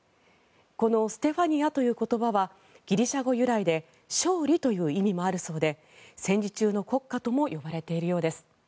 この「ステファニア」という言葉はギリシャ語由来で勝利という意味もあるそうで戦時中の国歌とも呼ばれているようです。